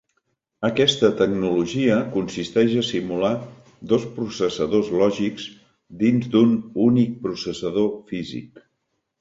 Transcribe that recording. Aquesta tecnologia consisteix a simular dos processadors lògics dins d'un únic processador físic.